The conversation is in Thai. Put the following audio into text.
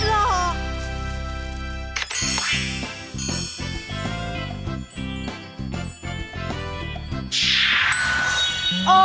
เชฟไม่ชัดหรอก